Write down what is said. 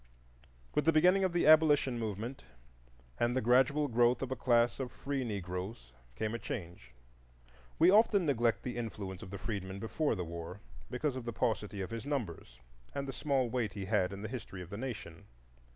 With the beginning of the abolition movement and the gradual growth of a class of free Negroes came a change. We often neglect the influence of the freedman before the war, because of the paucity of his numbers and the small weight he had in the history of the nation.